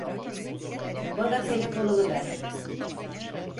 Bana telefonunu ver.